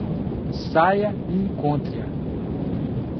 Saia e encontre-a!